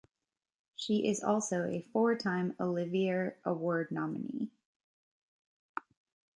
She is also a four-time Olivier Award nominee.